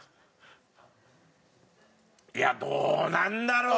いやどうなんだろう？